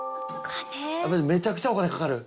めちゃくちゃお金かかる？